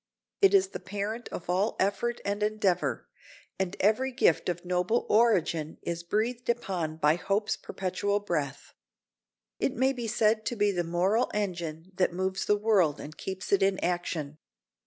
It is the parent of all effort and endeavor, and "every gift of noble origin is breathed upon by hope's perpetual breath." It may be said to be the moral engine that moves the world and keeps it in action.